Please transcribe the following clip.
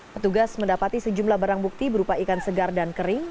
petugas mendapati sejumlah barang bukti berupa ikan segar dan kering